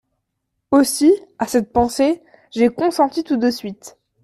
Aussi, à cette pensée, j’ai consenti tout de suite.